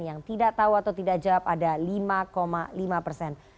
yang tidak tahu atau tidak jawab ada lima lima persen